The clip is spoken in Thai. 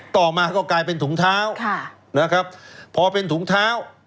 ต่อมาก็กลายเป็นถุงเท้านะครับพอเป็นถุงเท้า